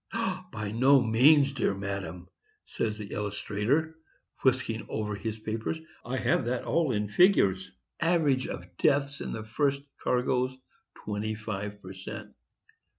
"By no means, my dear madam," says the illustrator, whisking over his papers. "I have that all in figures,—average of deaths in the first cargoes, 25 _per cent.